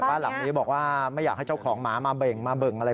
บ้านหลังนี้บอกว่าไม่อยากให้เจ้าของหมามาเบ่งมาเบ่งอะไร